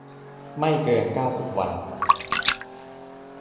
ไม่เกิน เก้าสิบ วัน